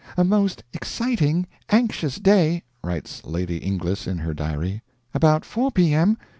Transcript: "A most exciting, anxious day," writes Lady Inglis in her diary. "About 4 P.M.